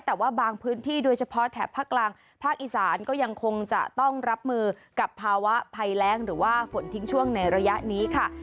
แต่ว่าบางพื้นที่โดยเฉพาะแถบภาคกลางภาคอีสานก็ยังคงจะต้องรับมือกับภาวะภัยแรงหรือว่าฝนทิ้งช่วงในระยะนี้ค่ะ